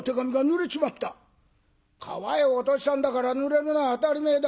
「川へ落としたんだからぬれるのは当たり前だ。